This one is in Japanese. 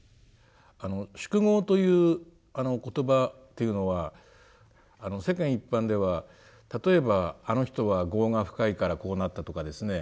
「宿業」という言葉っていうのは世間一般では例えばあの人は業が深いからこうなったとかですね